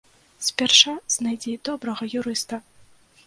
Спярша знайдзі добрага юрыста!